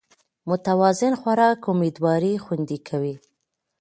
متوازن خوراک امېدواري خوندي کوي